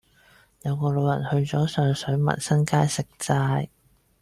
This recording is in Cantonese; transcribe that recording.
有個老人去左上水民生街食齋